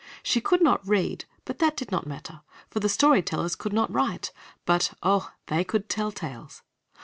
She could not read, but that did not matter, for the story tellers could not write, but oh! they could tell tales.